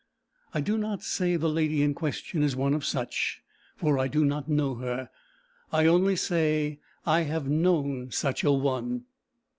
I do not say the lady in question is one of such, for I do not know her; I only say I have known such a one."